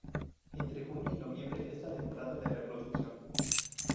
Entre junio y noviembre es la temporada de reproducción.